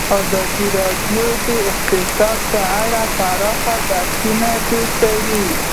ازادي راډیو د اقتصاد په اړه پراخ بحثونه جوړ کړي.